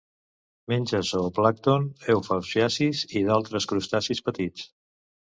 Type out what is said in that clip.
Menja zooplàncton, eufausiacis i d'altres crustacis petits.